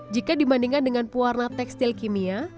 jika dibandingkan dengan pewarna tekstil kimia